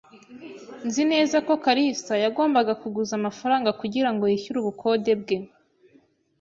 Nzi neza ko kalisa yagombaga kuguza amafaranga kugirango yishyure ubukode bwe.